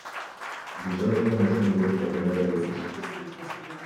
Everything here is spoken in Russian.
Без этого можно было вполне обойтись.